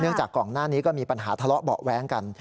จากก่อนหน้านี้ก็มีปัญหาทะเลาะเบาะแว้งกัน